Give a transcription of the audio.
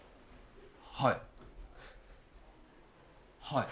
はい。